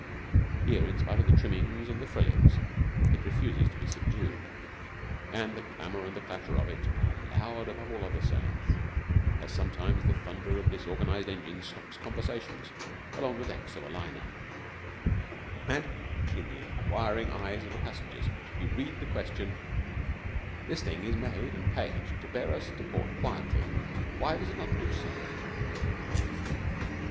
Here, in spite of the trimmings and the frillings, it refuses to be subdued and the clamour and the clatter of it are loud above all other sounds as sometimes the thunder of disorganised engines stops conversations along the decks of a liner, and in the inquiring eyes of the passengers you read the question 'This thing is made and paid to bear us to port quietly. Why does it not do so?'